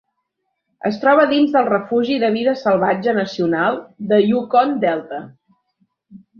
Es troba dins del refugi de vida salvatge nacional de Yukon Delta.